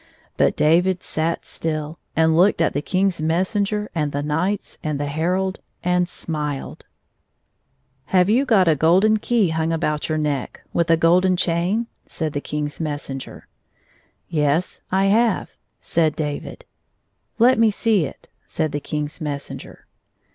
But David sat still, and looked at the King's messenger and the knights and the herald, and smOed. 183 " Have you got a golden key hung about your neck, with a golden chain T' said the King's messenger. " Yes ; I have," said David, " Let me see it !" said the King's messenger.